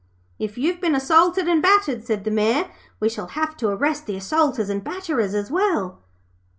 'If you've been assaulted and battered,' said the Mayor, 'we shall have to arrest the assaulters and batterers, as well.'